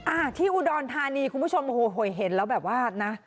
อ่าที่อุดรธานีคุณผู้ชมโอ้โหโหยเห็นแล้วแบบว่านะ